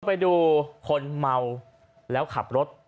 ไปดูคนเมาแล้วขับรถ